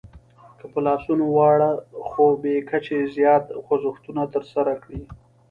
که په لاسونو واړه خو بې کچې زیات خوځښتونه ترسره کړئ